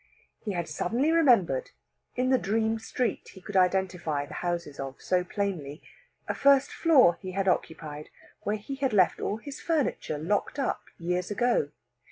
He had suddenly remembered, in the dream street he could identify the houses of so plainly, a first floor he had occupied where he had left all his furniture locked up years ago.